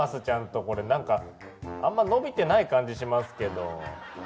ちゃんとこれなんかあんま伸びてない感じしますけど。